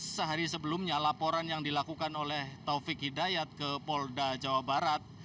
sehari sebelumnya laporan yang dilakukan oleh taufik hidayat ke polda jawa barat